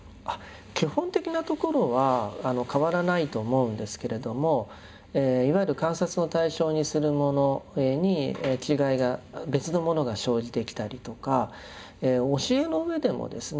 基本的なところは変わらないと思うんですけれどもいわゆる観察の対象にするものに違いが別のものが生じてきたりとか教えの上でもですね